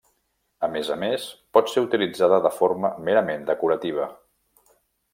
A més a més pot ser utilitzada de forma merament decorativa.